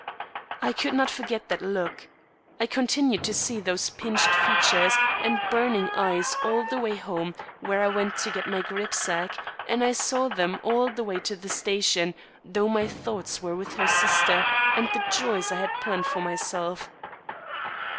I could not forget that look. I continued to see those pinched features and burning eyes all the way home where I went to get my grip sack, and I saw them all the way to the station, though my thoughts were with her sister and the joys I had planned for myself.